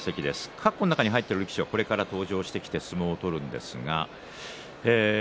かっこの中に入っている力士はこれから登場して相撲を取ります。